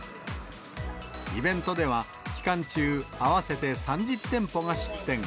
イベントでは期間中、合わせて３０店舗が出店。